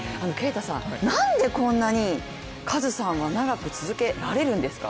啓太さん、なんで、こんなにカズさんは長く続けられるんですか？